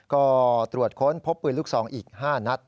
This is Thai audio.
ก็ตรวจค้นพบปืนลูกซองอีก๕นัด